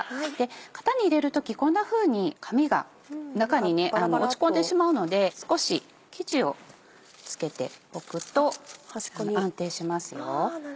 型に入れる時こんなふうに紙が中に落ち込んでしまうので少し生地を付けておくと安定しますよ。